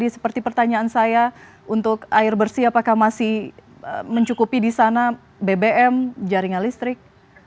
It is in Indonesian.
seperti pertanyaan saya untuk air bersih apakah masih mencukupi di sana bbm jaringan listrik